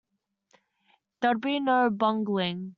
There would be no bungling.